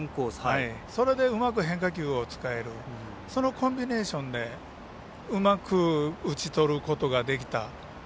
それでうまく変化球を使えるそのコンビネーションでうまく打ち取ることができた。